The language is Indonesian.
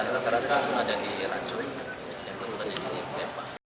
ada yang rata rata ada di rancun yang kemudian di jambi